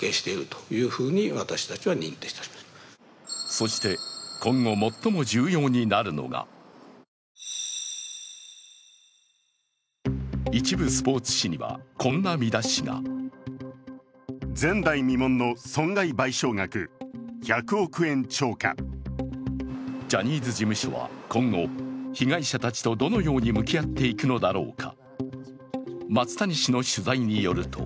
そして今後、最も重要になるのが一部スポーツ紙には、こんな見出しがジャニーズ事務所は今後、被害者たちとどのように向き合っていくのだろうか。